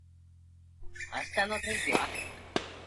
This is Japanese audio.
明日の天気は？